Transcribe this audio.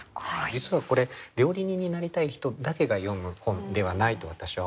実はこれ料理人になりたい人だけが読む本ではないと私は思っていて。